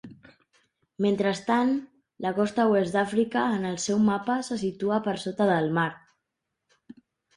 Mentrestant, la costa oest d'Àfrica en el seu mapa se situa per sota del mar.